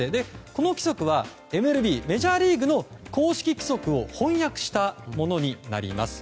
この規則はＭＬＢ・メジャーリーグの公式規則を翻訳したものになります。